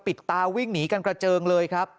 ตาวิ่งหนีกันกระเจิงเลยครับ